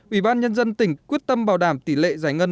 ủy ban nhân dân tỉnh quyết tâm bảo đảm tỷ lệ giải ngân